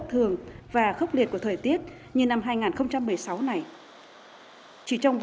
hẹn gặp lại